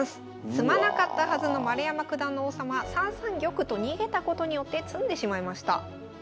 詰まなかったはずの丸山九段の王様３三玉と逃げたことによって詰んでしまいました。